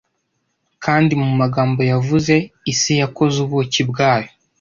kandi mumagambo yavuze isi yakoze ubuki bwayo